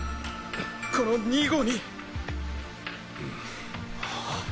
この２５２。